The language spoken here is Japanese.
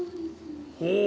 ほう！